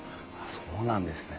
そうなんですね。